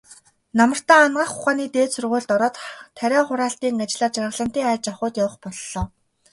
Намартаа Анагаах ухааны дээд сургуульд ороод, тариа хураалтын ажлаар Жаргалантын аж ахуйд явах боллоо.